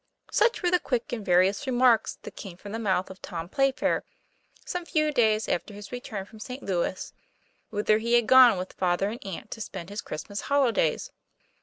Such were the quick and various remarks that came from the mouth of Tom Playfair, some few days after his return from St. Louis, whither he had gone with father and aunt to spend his Christmas holidays.